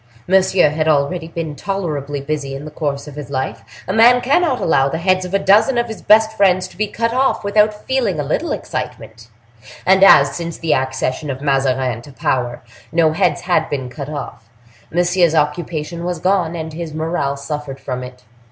Monsieur had already been tolerably busy in the course of his life. A man cannot allow the heads of a dozen of his best friends to be cut off without feeling a little excitement; and as, since the accession of Mazarin to power, no heads had been cut off, Monsieur's occupation was gone, and his morale suffered from it.